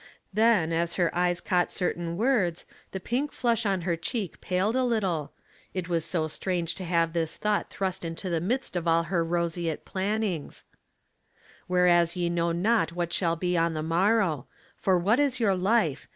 Then, as her eyes caught certain words, the pink flash on her cheek paled a little — it was so strange to have this thought thrust into the midst of all her roseate plannings, —" Whereas ye know not what shall be on the morrow. For what is your life?